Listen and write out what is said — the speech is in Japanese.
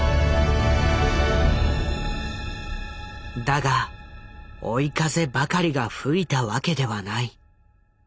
だが追い風ばかりが吹いたわけではない。